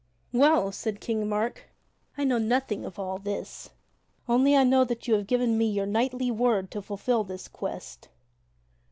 "Well," said King Mark, "I know nothing of all this only I know that you have given me your knightly word to fulfil this quest."